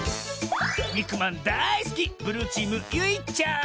にくまんだいすきブルーチームゆいちゃん。